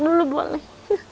belok dulu boleh